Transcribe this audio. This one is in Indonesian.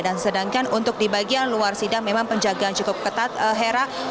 dan sedangkan untuk di bagian luar sidang memang penjagaan cukup ketat hera